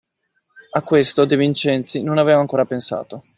A questo De Vincenzi non aveva ancora pensato.